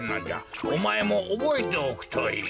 おまえもおぼえておくといい。